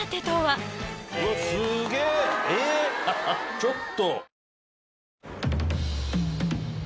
ちょっと！